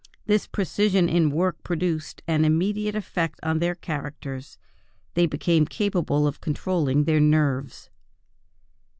This precision in work produced an immediate effect on their characters. They became capable of controlling their nerves."